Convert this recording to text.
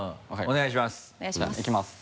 お願いします。